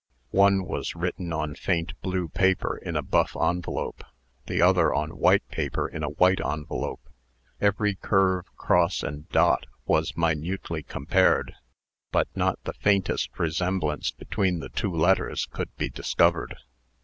One was written on faint blue paper in a buff envelope; the other on white paper in a white envelope. Every curve, cross, and dot was minutely compared; but not the faintest resemblance between the two letters could be discovered.